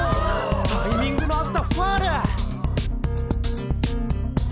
タイミングの合ったファール！